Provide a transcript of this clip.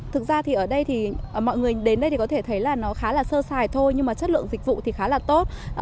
thực ra thì ở đây thì mọi người đến đây thì có thể thấy là nó khá là sơ sài thôi nhưng mà chất lượng dịch vụ thì khá là tốt